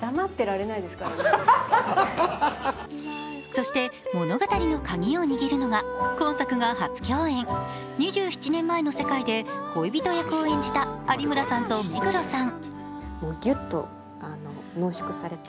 そして物語の鍵を握るのが今作が初共演、２７年前の世界で恋人役を演じた有村さんと目黒さん。